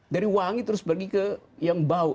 dari wangi terus pergi ke yang bau